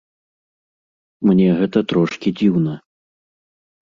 Мне гэта трошкі дзіўна.